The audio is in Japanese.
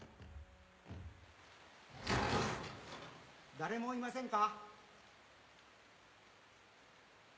誰もいませんか？